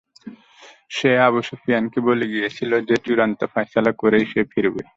সে আবু সুফিয়ানকে বলে গিয়েছিল যে, চুড়ান্ত ফায়সালা করেই সে ফিরবে।